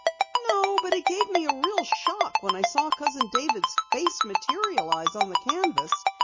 "No, but it gave me a real shock when I saw Cousin David's face materialize on the canvas.